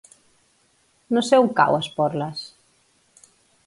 No sé on cau Esporles.